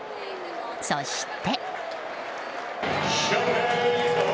そして。